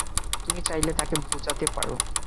তুমি চাইলে তাকে বোঝাতে পারো।